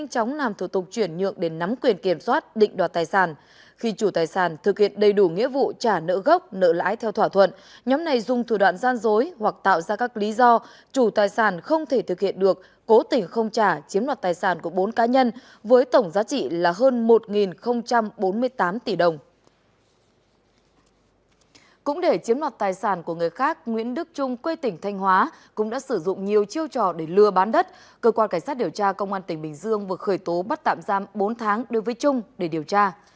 cơ quan cảnh sát điều tra công an tỉnh bình dương vừa khởi tố bắt tạm giam bốn tháng đối với trung để điều tra